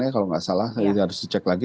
kalau tidak salah ini harus dicek lagi